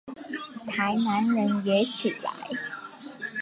台南人也起來